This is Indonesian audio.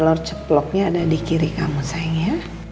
telur telur ceploknya ada di kiri kamu sayang ya